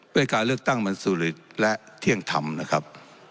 ไปการเลือกตั้งบรรสุริตและเที่ยงธรรมนะครับ